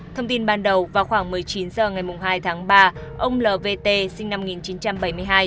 thông tin ban đầu vào khoảng một mươi chín h ngày hai tháng ba ông lv t sinh năm một nghìn chín trăm bảy mươi hai